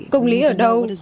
công lý ở đâu